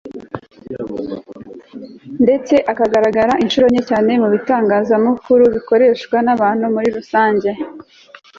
ndetse akanagaragara incuro nke cyane mu bitangazamakuru bikoreshwa nabantu muri rusange